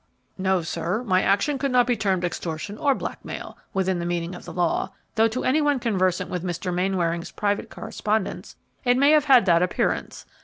"No, sir; my action could not be termed extortion or blackmail within the meaning of the law, though to any one conversant with Mr. Mainwaring's private correspondence it may have had that appearance.